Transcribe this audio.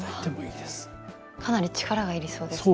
かなり力が要りそうですね。